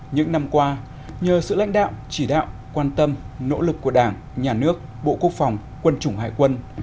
những năm qua nhờ sự lãnh đạo chỉ đạo quan tâm nỗ lực của đảng nhà nước bộ quốc phòng quân chủng hải quân